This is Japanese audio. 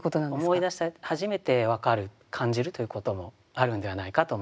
思い出して初めて分かる感じるということもあるんではないかと思いますね。